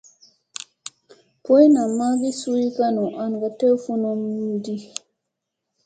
Boy namma ki suu kanu an ka dew wundi.